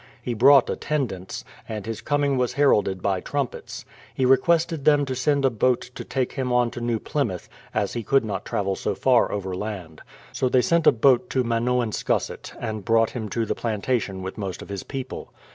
^ He brought attendants, and his coming was heralded by trumpets. He requested them to send a boat to take him on to New Plymouth, as he could not travel so far over land. So they sent a boat to Manoanscussett, and brought him to the plantation with most of his people.